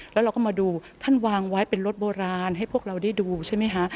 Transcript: แล้วเราก็มาดูท่านวางไว้เป็นรถโบราณให้พวกเราได้ดูใช่ไหมคะ